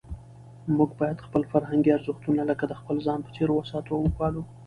موږ باید خپل فرهنګي ارزښتونه لکه د خپل ځان په څېر وساتو او وپالو.